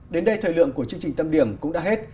đến đây thời lượng của chương trình tâm điểm cũng đã hết